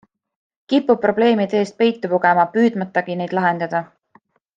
Kipud probleemide eest peitu pugema, püüdmatagi neid lahendada.